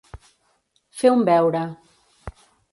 Fer un beure.